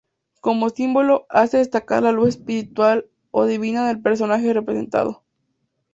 Como símbolo, hace destacar la luz espiritual o divina del personaje representado.